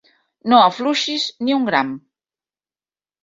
No afluixis ni un gram!